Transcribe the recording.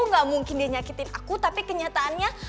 gak mungkin dia nyakitin aku tapi kenyataannya